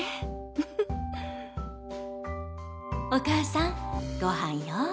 お母さんごはんよ。